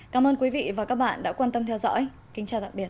cảm ơn quý vị và các bạn đã quan tâm theo dõi kính chào tạm biệt